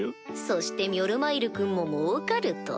そしてミョルマイル君も儲かると。